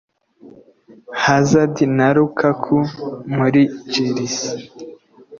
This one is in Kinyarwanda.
Hazard na Lukaku muri Chelsea